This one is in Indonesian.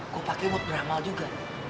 gue pake buat beramal juga